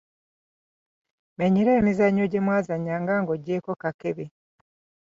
Menyera emizannyo gye mwazannyanga nga oggyeeko kakebe.